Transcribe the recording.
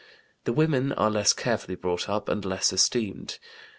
The women are less carefully brought up and less esteemed.